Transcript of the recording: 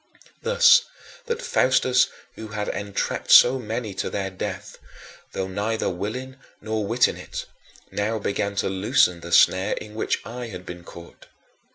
Thus that Faustus who had entrapped so many to their death though neither willing nor witting it now began to loosen the snare in which I had been caught.